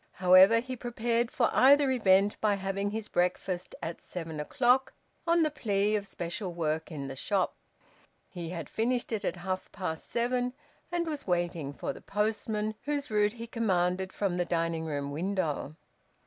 However, he prepared for either event by having his breakfast at seven o'clock, on the plea of special work in the shop. He had finished it at half past seven, and was waiting for the postman, whose route he commanded from the dining room window.